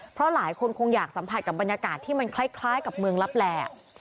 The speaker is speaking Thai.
เพราะหลายคนคงอยากสัมผัสกับบรรยากาศที่มันคล้ายกับเมืองลับแหล่